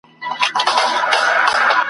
چي ستنې سوي په سېلونو وي پردېسي مرغۍ !.